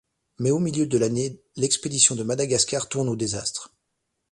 Mais au milieu de l’année, l'expédition de Madagascar tourne au désastre.